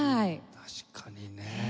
確かにね。